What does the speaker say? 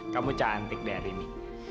kamu cantik deh hari ini